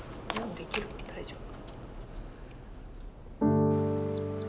できる大丈夫。